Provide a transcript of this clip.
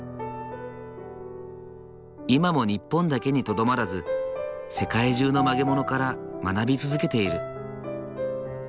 今も日本だけにとどまらず世界中の曲げ物から学び続けている。